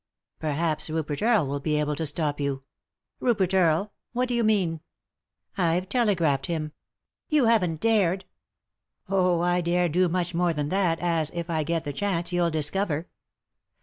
"Perhaps Rupert Earle will be able to stop yon." " Rupert Earle I What do you mean ?" "I've telegraphed to him." "You haven't dared 1" " Oh, I dare do much more than that, as, if I get the chance, you'll discover."